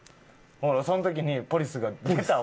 その時にポリスが「出た！」